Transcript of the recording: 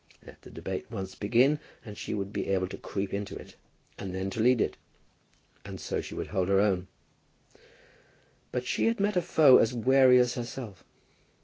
Let the debate once begin and she would be able to creep into it, and then to lead it, and so she would hold her own. But she had met a foe as wary as herself.